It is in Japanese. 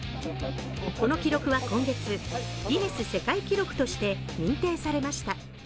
この記録は今月、ギネス世界記録として認定されました。